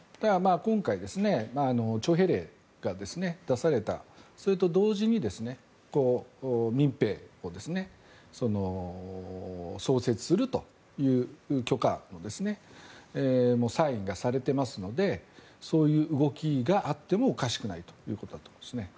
今回、徴兵令が出されたと同時に民兵を創設するという許可もサインがされていますのでそういう動きがあってもおかしくないということだと思います。